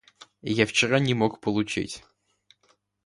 Я вчера не мог получить.